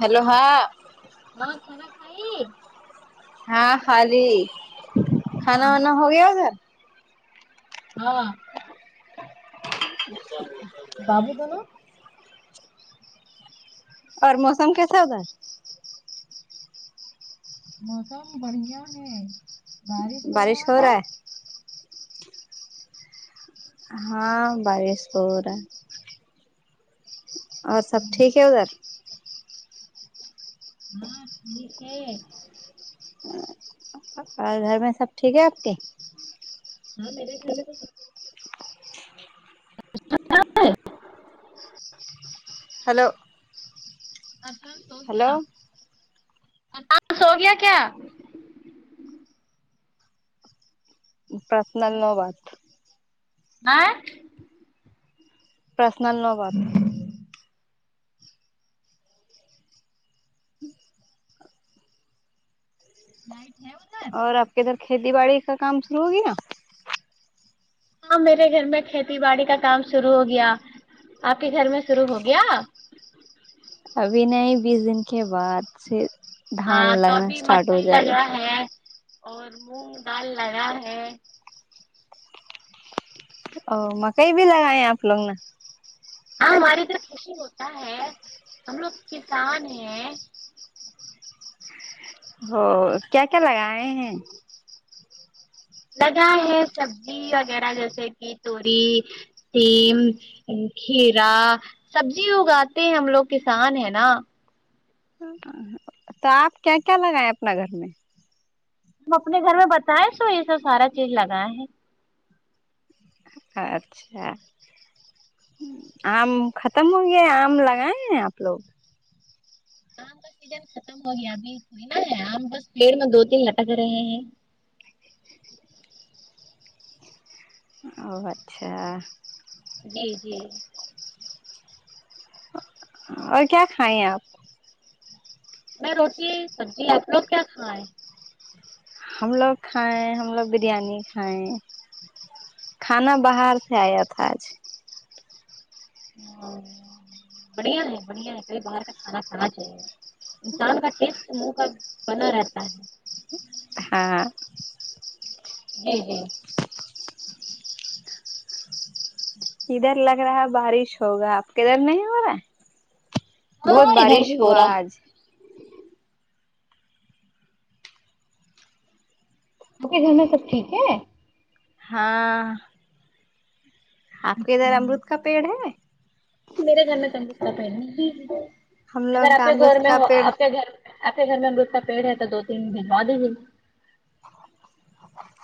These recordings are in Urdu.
ہیلو ہاں ماں کھانا کھائی ہاں کھا لی کھانا وانا ہو گیا ادھر ہاں بابو کو نہ اور موسم کیسا ہے ادھر موسم بڑھیا ہے بارش ہو رہا ہے ہاں بارش تو ہو رہا ہے اور سب ٹھیک ہے ادھر ہاں ٹھیک ہے ہاں اور گھر میں سب ٹھیک ہے آپ کے ہاں میرے گھر میں تو سب [unintelligible] ہلو آسدسوگیا ہلو آسد سوگیا کیا پرسنل نو بات ہاں پرسنل نو بات لائٹ ہے ادھر اور آپ کے ادھر کھیتی باڑی کا کام شروع ہوگیا ہاں میرے گھر میں کھیتی باڑی کا کام شروع ہو گیا آپ کے گھر میں شروع ہو گیا ابھی نہیں بیس دن کے بعد سے دھان ہاں تو لگنا ابھی اسٹارٹ ہو مکئی جائے گا لگا ہے اور مونگ دال لگا ہے او مکئی بھی لگایا ہے آپ لوگوں نے ہاں ہماریے ا توھر کھیتی ہوتا ہے ہم لوگ کسان ہیں ہو کیا کیا لگائے ہیں لگا ہے سبزی وغیرہ جیسے کہ توری سیم کھیرا سبزی اگاتے ہیں ہم لوگ کسان ہیں نا ہاں ہاں ہاں تو آپ کیا کیا لگائیں اپنے گھر میں ہم اپنے گھر میں بتائیں سو یہ سب سارا چیز لگائے ہے ہاں اچھا آم ختم ہو گیا آم لگائے ہیں آپ لوگ آم کا سیزن ختم ہو گیا ابھی ناں ہے آم بس پیڑ میں دو تین لٹک رہے ہیں اچھا اچھا جی جی اور کیا کھائیں آپ میں روٹی سبزی آپ لوگ کیا کھائیں ہم لوگ کھائیں ہم لوگ بریانی کھائیں کھانا باہر سے آیا تھا آج بڑھیا ہے بڑھیا ہے کبھی باہر کا کھانا کھانا چاہیے انسان کا ٹیسٹ منہ کا بنا رہتا ہے ہاں جی جی ادھر لگ رہا ہے بارش ہوگا آپ کے ادھر نہیں ہو رہا بہت ہاں ادھر بارش بھی ہو ہوا رہا ہے آج آپ کے گھر میں سب ٹھیک ہے ہاں آپ کے ادھر امرود کا پیڑ ہے میرے گھر میں تو امرود کا پیڑ نہیں ہم لوگ اگر آپ کا کے امرت گھر میں کا پیڑ ہوا کے گھر آپ کے گھر میں امرود کا پیڑ ہے تو دو تین بھجوا دیجیے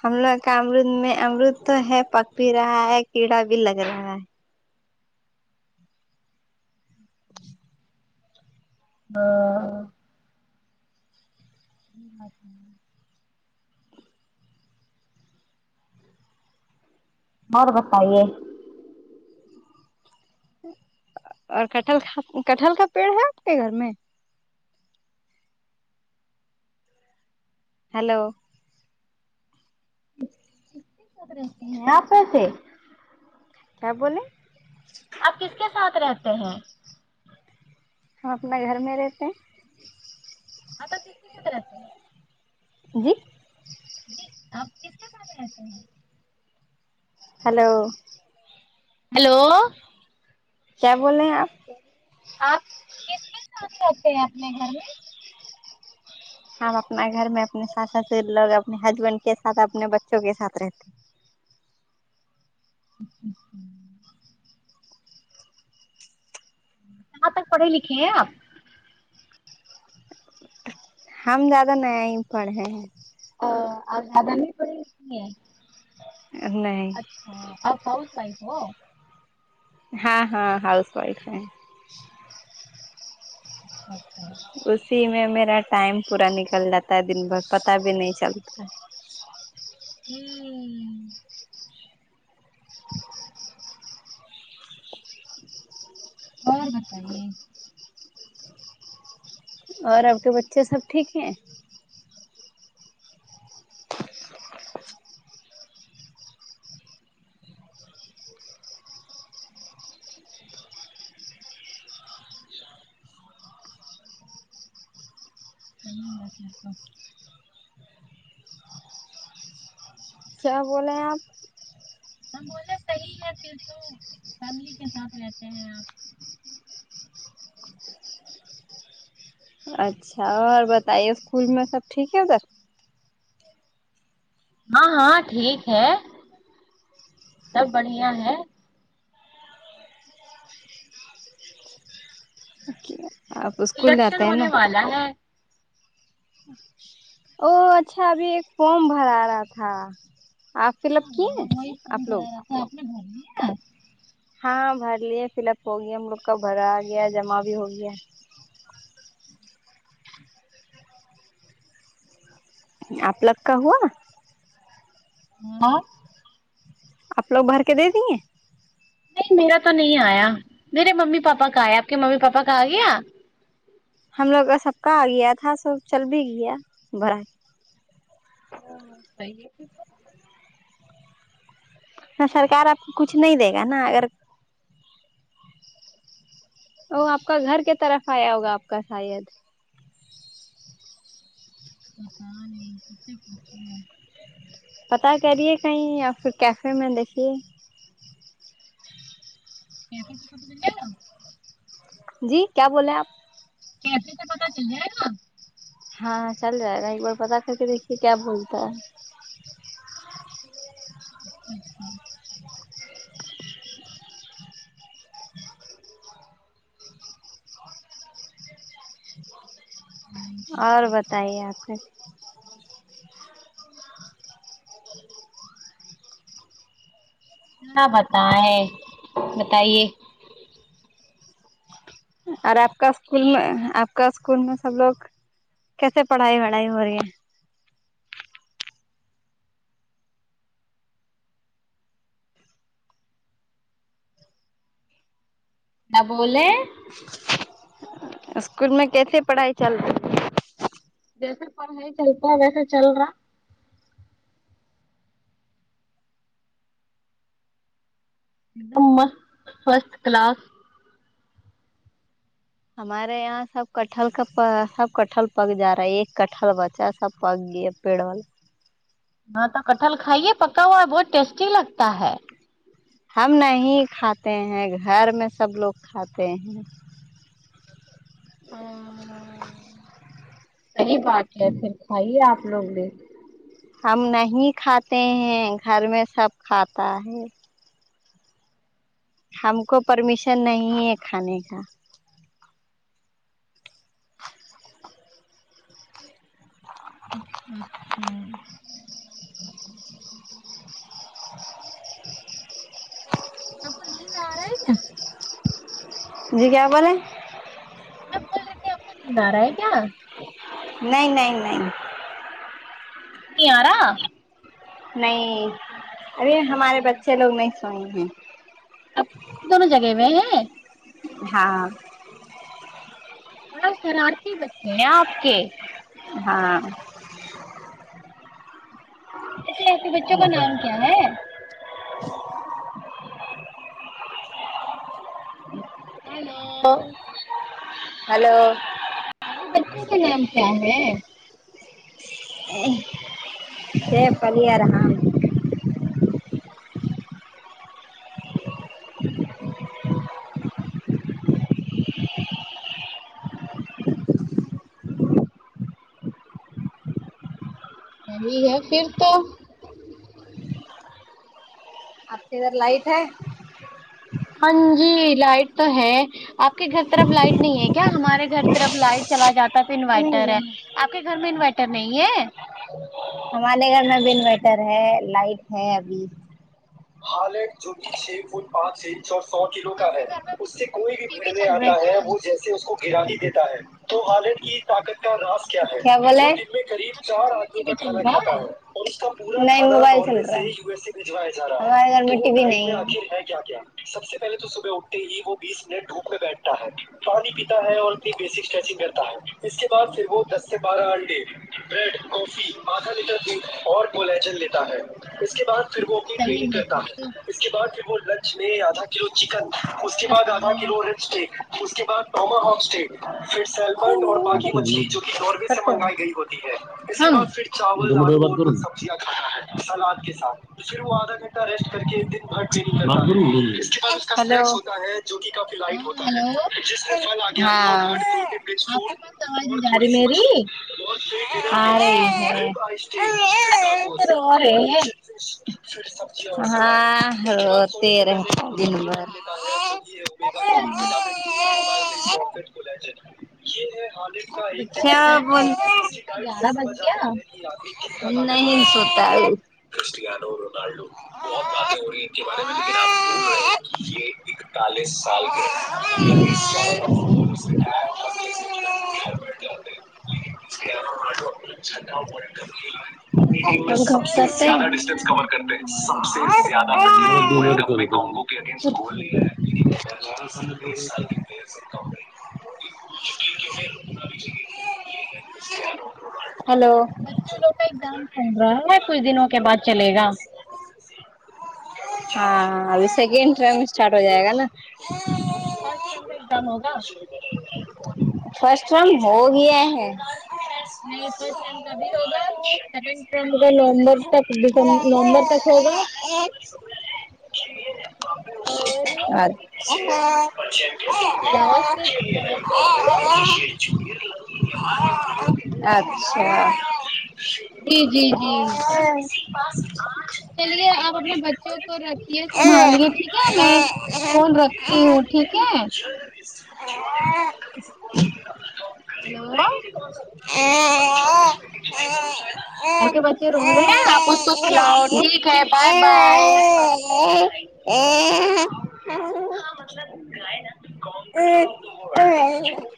ہم لوگ کا امرود میں امرود تو ہے پک بھی رہا ہے کیڑا بھی لگ رہا ہے ہاں اچھا اور بتائیے اور کٹہل کٹہل کا پیڑ ہے آپ کے گھر میں ہیلو کس رہتے ہیں آپ کیسے کیا بولے آپ کس کے ساتھ رہتے ہیں ہم اپنا گھر میں رہتے ہیں [inaudible] جی جی آپ کس کے ساتھ رہتے ہیں ہیلو ہیلو کیا بولے ہیں آپ آپ کس کے ساتھ رہتے ہیں اپنے گھر میں ہم اپنا گھر میں اپنے ساتھ لوگ اپنے ہسبینڈ کے ساتھ اپنے بچوں کے ساتھ رہتے اچھا کہاں تک پڑھی لکھی ہیں آپ ہم زیادہ نیا ہی پڑھ رہے ہیں ا اور زیادہ نہیں پڑی اتنی ہے نہیں ہ آپ ہاؤس وائف ہو ہاں ہاں ہاؤس وائف ہیں اچھا ہوں اسی میں میرا ٹائم پورا نکل جاتا ہے دن بھر پتا بھی نہیں چلتا ہے ہوں اور بتائیے اور آپ کے بچے سب ٹھیک ہیں [unintelligible] کیا بولیں آپ ہم بولے صحیح ہے پھر تو فیملی کے ساتھ رہتے ہیں آپ اچھا اور بتائیے اسکول میں سب ٹھیک ہے ادھر ہاں ہاں ٹھیک ہے سب بڑھیا ہے اوکے الیکشن ہونے والا ہے او اچھا ابھی ایک فورم بھرا رہا تھا آپ فل اپ کیے ہیں آپ لوگ رات میں ہی بھر دیے ہاں بھر لیے فل اپ ہو گیا ہم لوگ کا بھرا آ گیا جمع بھی ہو گیا ہے آپ لوگ کا ہوا ہ آپ لوگ بھر کے دے دیںے نہیں میرا تو نہیں آیا میرے ممی پاپا کا آیا آپ کے ممی پاپا کا آ گیا ہم لوگ کا سب کا آ گیا تھا سب چل بھی گیا بھائے آ صحیح ہے پھر تو سرکار آپ کو کچھ نہیں دے گا نا اگر وہ آپ کا گھر کی طرف آیا ہوگا آپ کا شاید پتا نہیں [inaudible] پتا کریے کہیں یا پھر کیفے میں دیکھیے [unintelligible] جی کیا بولے آپ کیسے سے پتا چل جائے گا ہاں چل جائے گا ایک بار پتا کر کے دیکھیے کیا بولتا ہے اچھا اچھا ہوں اور بتائیے آپ خیر کیا بتائے بتایے اور آپ کا اسکول میں آپ کا اسکول میں سب لوگ کیسے پڑھائی وڑھائی ہو رہی ہے نہ بولے اسکول میں کیسے پڑھائی چل رہی جیسے پڑھائی چلتا ہے ویسے چل را ایک دم مست فرسٹ کلاس ہمارے یہاں سب کٹہل کا سب کٹہل پک جا رہا ہے ایک کٹہل بچا سب پک گیا پیڑ وال ہاں تو کٹہل کھائیے پکا ہوا ہے بہت ٹیسٹی لگتا ہے ہم نہیں کھاتے ہیں گھر میں سب لوگ کھاتے ہیں آمم [inaudible] صحیح بات ہے پھر کھائیے آپ لوگ بھی ہم نہیں کھاتے ہیں گھر میں سب کھاتا ہے ہم کو پرمیشن نہیں ہے کھانے کا اچھا اچھا آپ کو نیند آرہا ہے کیا جی کیا بولے ہم بول رہے کہ آپ کو نیند آ رہا ہے کیا نہیں نہیں نہیں نہیں آرہا نہیں ارے ہمارے اوکے بچے لوگ نہیں سوے ہیں اب دونوں جگے ہوئے ہیں ہاں بڑا شرارتی بچے ہیں آپ کے ہاں ویسے آپ کے بچوں کا نام کیا ہے ہیلو ہلو آپ کے بچوں کے نام کیا ہے [unintelligible] نہیں ہے پھر تو آپ کے ادھر لائٹ ہے ہاں جی لائٹ تو ہے آپ کے گھر طرف لائٹ نہیں ہے کیا ہمارے گھر طرف لائٹ چلا جاتا ہے تو نہیں انویٹر ہے نہیں آپ کے گھر میں انویٹر نہیں ہے ہمارے گھر میں بھی انورٹر ہے لائٹ ہے ابھی حال ایک جو کہ چھے فٹ پانچ انچ اور سو کلو آپ کا ہے کے گھر میں اس سے کوئی بھی ٹی وی بھیڑنے چل رہا آتا ہے کیا وہ جیسے اس کو گرا ہی دیتا ہے تو خالد کی طاقت کا انداز کیا ہے کیا بولے میں قریب آپ کے چار گھر میں آدمی ٹی کا وی چل کھانا رہا کھاتا ہے نہیں موبائل چل رہا ہے ہمارے گھر میں ٹی وی نہیں ہے سب سے پہلے تو صبح اٹھتے ہی وہ بیس منٹ دھوپ میں بیٹھتا ہے پانی پیتا ہے اور اتنی بیسک اسٹریچنگ کرتا ہے اس کے بعد پھر وہ دس سے بارہ انڈے بریڈ کافی آدھا لیٹر دودھ اور کولیجن لیتا ہے اس کے بعد پھر وہ اپنی صحیح ٹریننگ ہے کرتا پھر تو کے بعد پھر وہ لنچ میں آدھا کلو چکن اس اور کے بعد آدھا بتاؤ آپ۔ کلو ر اسٹ اس کے بعد ٹما ہواسٹ پھر سالمون اور بای مچھلی جو کہ نوروے سے منگائی گئی ہوتی ہے اس کے بعد چاول سبزیا کھاتا ہے سلاد کے ساتھ تو پھر وہ آدھا گھنٹہ ریسٹ کر کے ایک دن بھر ٹی وی دیکھتا ہے اس کے بعد اس کا ہیلو جو کہ کافی لائٹ ہو ہاں ہیلو ہاں آپ کے پاس آواز نہیں جا رہی میری آرہی ہے ابھی بچے رو رہے ہیں ہاں روتے رہتے دن بھر ج روتے بار [unintelligible] رہتے ہیں، چپ کرائیے اس کو بچوں کا کیا ٹائم بول ہو گیا سونے کا گیارہ بج گیا نہیں سوتا ہے بہت باتیں ہو رہی ہے ان کے بارے میں یہ اکتالیس سال کے [inaudible] [inaudible] [unintelligible] چلو بڑھیا ہے تو ہمارے گھر بھی سب [inaudible] بڑھیا ہے [inaudible] [inaudible] سال کی [inaudible] [inaudible] بچوں لوگ کا ایگزام چل رہا ہے کچھ دنوں کے بعد چلے گا ہاں ابھی سیکنڈ ٹرم اسٹارٹ ہو جائے گا نا فسٹ ٹرم کا ایکزام ہوگا نا فرسٹ ٹرم ہو گیا ہے نہیں فرسٹ ٹرم کا بھی ہوگا سیکنڈ ٹرم کا نومبر تک دیسم نومبر تک ہوگا اور اچھا لاسٹ مارچ تک ہوگا اچھا جی جی جی پس اتے چلیے آپ اپنے بچوں کو رکھیے سنبھالے ٹھیک ہے میں فون رکھتی ہوں ٹھیک ہے ہیلو [inaudible] اپ کے بچے رو رہے ہیں آپ اس کو سلاؤ ٹھیک ہے بائے بائے [inaudible] ہاں متلب ا تو